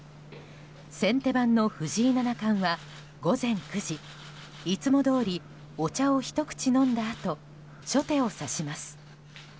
先手番の藤井七冠は午前９時いつもどおりお茶をひと口飲んだあと初手を指します。